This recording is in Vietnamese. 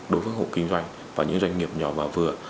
đối với hộ kinh doanh và những doanh nghiệp nhỏ và vừa